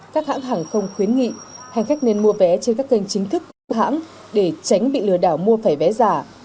các hãng hàng không khuyến nghị hành khách nên mua vé trên các kênh chính thức các hãng để tránh bị lừa đảo mua phải vé giả